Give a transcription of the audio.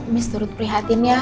miss turut prihatin ya